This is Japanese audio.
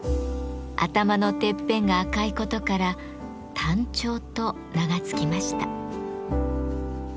頭のてっぺんが赤いことから「丹頂」と名が付きました。